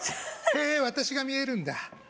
へえ私が見えるんだ